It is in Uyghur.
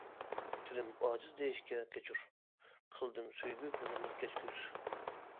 تىلىم ئاجىز دېيىشكە كەچۈر، قىلدىم سۆيگۈ بېغىنى كەچكۈز.